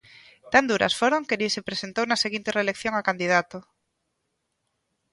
Tan duras foron que nin se presentou na seguinte reelección a candidato.